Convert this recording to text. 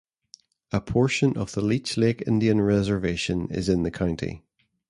A portion of the Leech Lake Indian Reservation is in the county.